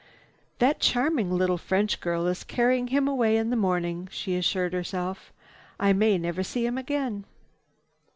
"That charming little French girl is carrying him away in the morning," she assured herself. "I may never see him again.